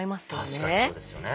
確かにそうですよね。